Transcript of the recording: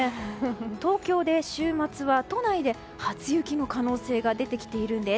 東京で週末は都内で初雪の可能性が出てきているんです。